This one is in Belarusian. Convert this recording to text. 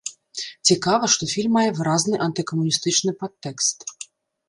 Цікава, што фільм мае выразна антыкамуністычны падтэкст.